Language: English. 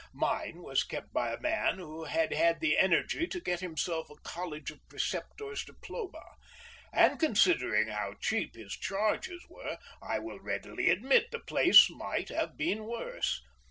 Mine was kept by a man who had had the energy to get himself a College of Preceptors diploma, and considering how cheap his charges were, I will readily admit the place might have been worse.